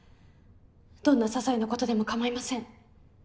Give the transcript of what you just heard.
どんな些細なことでもかまいません。